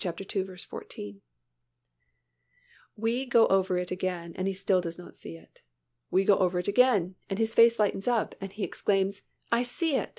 We go over it again and still he does not see it. We go over it again and his face lightens up and he exclaims, "I see it.